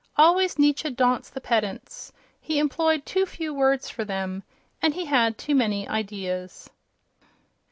Always Nietzsche daunts the pedants. He employed too few words for them—and he had too many ideas.